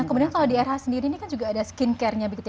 kemudian kalau di rh sendiri ini kan juga ada skincare nya begitu ya